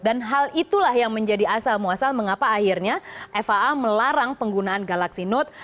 dan hal itulah yang menjadi asal muasal mengapa akhirnya faa melarang penggunaan galaxy note